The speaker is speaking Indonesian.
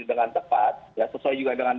dengan tepat ya sesuai juga dengan